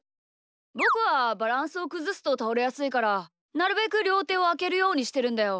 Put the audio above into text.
ぼくはバランスをくずすとたおれやすいからなるべくりょうてをあけるようにしてるんだよ。